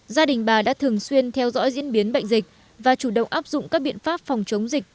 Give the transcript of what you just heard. gia đình bà đã thường xuyên theo dõi diễn biến bệnh dịch và chủ động áp dụng các biện pháp phòng chống dịch